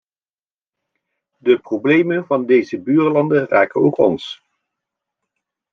De problemen van deze buurlanden raken ook ons.